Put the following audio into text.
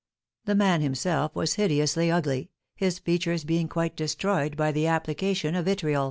The man himself was hideously ugly, his features being quite destroyed by the application of vitriol.